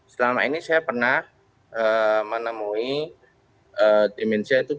selama ini saya pernah menemui dimensia itu